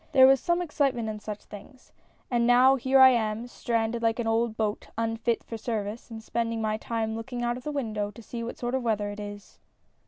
There was some excitement in such things. And, now here I am stranded like an old boat, unfit for service, and spending my time looking out of the window to see what sort of weather it is."